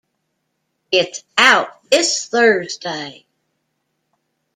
It's out this Thursday.